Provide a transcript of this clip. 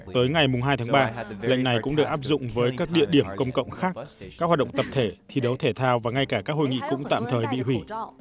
tới ngày hai tháng ba lệnh này cũng được áp dụng với các địa điểm công cộng khác các hoạt động tập thể thi đấu thể thao và ngay cả các hội nghị cũng tạm thời bị hủy